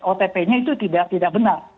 otp nya itu tidak benar